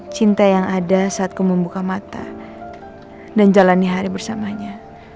cinta yang ada saat kau membuka mata dan jalani hari bersamanya